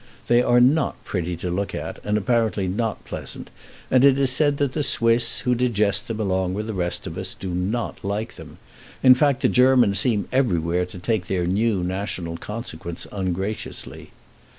They are not pretty to look at, and apparently not pleasant; and it is said that the Swiss, who digest them along with the rest of us, do not like them. In fact, the Germans seem everywhere to take their new national consequence ungraciously.